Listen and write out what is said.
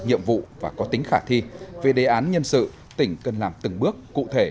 nhiệm vụ và có tính khả thi về đề án nhân sự tỉnh cần làm từng bước cụ thể